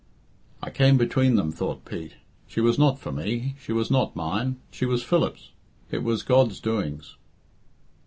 "I came between them," thought Pete. "She was not for me. She was not mine. She was Philip's. It was God's doings."